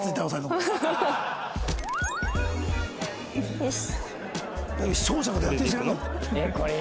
よし。